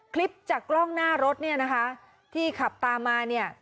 คลิปจากกล้องหน้ารถเนี่ยนะคะที่ขับตามมาเนี่ย